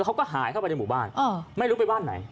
เขาก็หายเข้าไปในหมู่บ้านไม่รู้ไปบ้านไหน